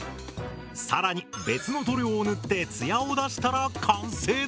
更に別の塗料を塗ってツヤを出したら完成だ。